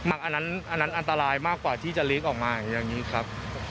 อันนั้นอันตรายมากกว่าที่จะเลี้ยงออกมาอย่างนี้ครับ